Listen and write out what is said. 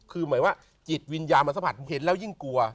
คือหมายว่าจิตวิญญาณมันสัมผัสเห็นแล้วยิ่งกลัว